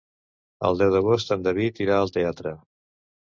El deu d'agost en David irà al teatre.